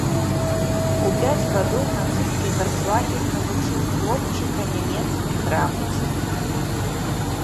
У пяць гадоў нацысцкі канцлагер навучыў хлопчыка нямецкай грамаце.